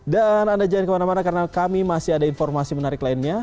anda jangan kemana mana karena kami masih ada informasi menarik lainnya